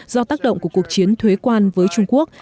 do tác động của cuộc chiến thuế quan với trung quốc